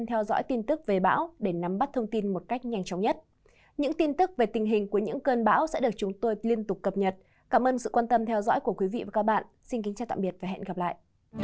hẹn gặp lại